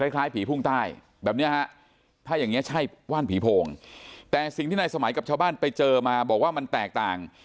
คล้ายผีพุ่งใต้แบบนี้ฮะถ้าอย่างนี้ใช่ว่านผีโพงแต่สิ่งที่นายสมัยกับชาวบ้านไปเจอมาบอกว่ามันแตกต่าง